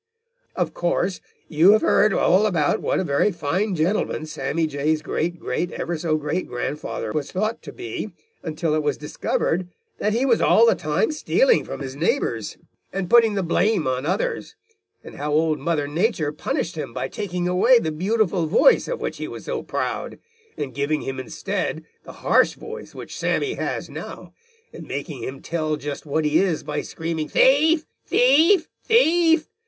"Of course, you have heard all about what a very fine gentleman Sammy Jay's great great ever so great grandfather was thought to be until it was discovered that he was all the time stealing from his neighbors and putting the blame on others, and how Old Mother Nature punished him by taking away the beautiful voice of which he was so proud, and giving him instead the harsh voice which Sammy has now, and making him tell just what he is by screaming 'thief, thief, thief!'